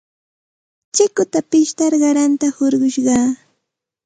Chikuta pishtar qaranta hurqushqaa.